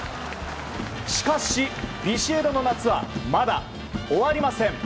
しかし、「＃ビシエドの夏」はまだ終わりません。